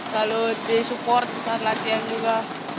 lalu di support saat latihan juga